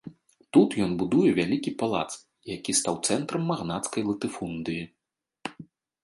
Тут ён будуе вялікі палац, які стаў цэнтрам магнацкай латыфундыі.